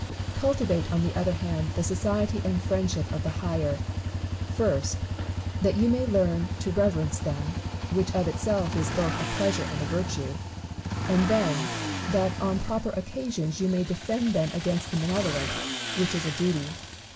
Cultivate on the other hand the society and friendship of the higher ; first, that you may learn to reverence them, which of itself is both a pleasure and a virtue ; and then, that on proper occasions you may defend them against the malevolent, which is a BARROW AND NEWTON. 2oS duty.